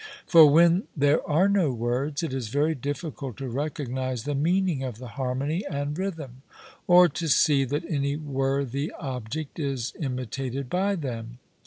For when there are no words, it is very difficult to recognize the meaning of the harmony and rhythm, or to see that any worthy object is imitated by them.